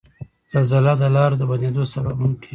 زلزله د لارو د بندیدو سبب هم کیږي.